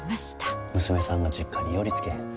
娘さんが実家に寄りつけへんて。